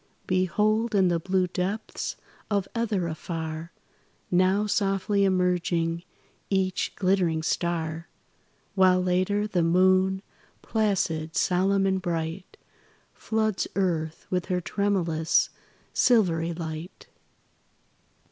Behold, in the blue depths of ether afar, Now softly emerging each glittering star; While, later, the moon, placid, solemn and bright, Floods earth with her tremulous, silvery light.